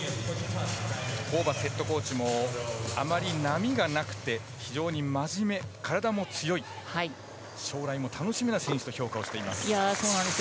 ヘッドコーチもあまり波がなくて非常に真面目、体も強い将来も楽しみな選手と評価しています。